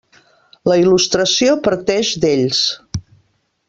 La il·lustració parteix d'ells.